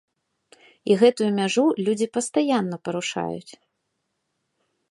І гэтую мяжу людзі пастаянна парушаюць.